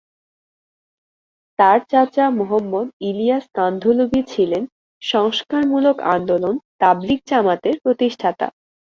তার চাচা মাওলানা মুহাম্মদ ইলিয়াস কান্ধলভি ছিলেন সংস্কারমূলক আন্দোলন তাবলিগ জামাতের প্রতিষ্ঠাতা।